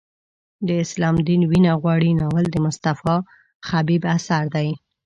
د اسلام دین وینه غواړي ناول د مصطفی خبیب اثر دی.